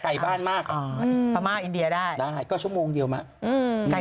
โหยูโรปนี้คงไม่เอาเลยเลย